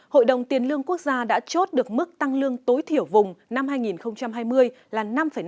hội đồng tiền lương quốc gia đã chốt được mức tăng lương tối thiểu vùng năm hai nghìn hai mươi là năm năm